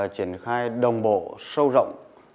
triển khai đồng bộ sâu rộng